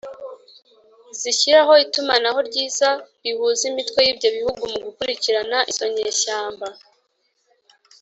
zishyiraho itumanaho ryiza rihuza imitwe y’ibyo bihugu mu gukurikirana izo nyeshyamba